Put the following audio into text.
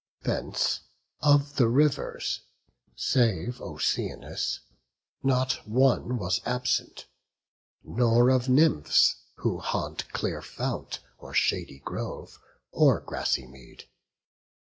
Thence of the Rivers, save Oceanus, Not one was absent; nor of Nymphs, who haunt Clear fount, or shady grove, or grassy mead.